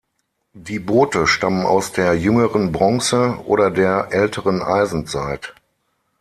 Die Boote stammen aus der jüngeren Bronze- oder der älteren Eisenzeit.